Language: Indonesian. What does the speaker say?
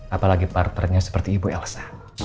apalagi partnernya seperti ibu elsa